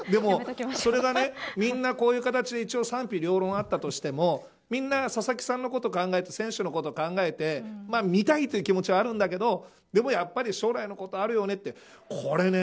それがみんなこういう形で賛否両論あったとしてもみんな、佐々木さんのことを考えて、選手のことを考えて見たいという気持ちはあるけどでも、やっぱり将来のこともあるよねとか。